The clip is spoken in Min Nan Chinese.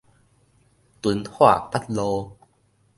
敦化北路